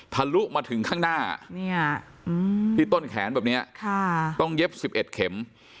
ลุมาถึงข้างหน้าที่ต้นแขนแบบนี้ต้องเย็บ๑๑เข็ม